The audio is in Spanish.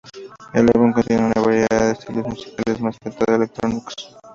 El álbum contiene una variedad de estilos musicales, más que todo electrónicos.